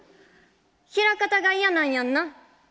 枚方が嫌なんやんな。